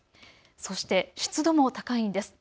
そして湿度も高いんです。